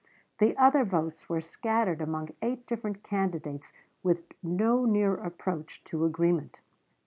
The other votes were scattered among eight different candidates with no near approach to agreement.